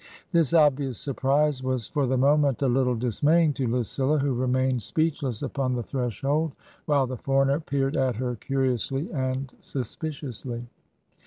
This obvious surprise was for the moment a little dis maying to Lucilla, who remained speechless upon the TRANSITION. 159 threshold, while the foreigner peered at her curiously and suspiciously.